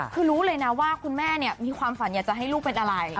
คือรู้เลยนะว่าคุณแม่มีความฝันอยากจะให้ลูกเป็นอะไร